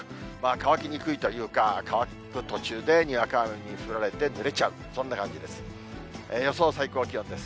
乾きにくいというか、乾く途中でにわか雨に出会ってぬれちゃう、そんな感じです。